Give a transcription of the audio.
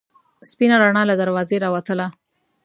سپینه رڼا له دروازې راوتله.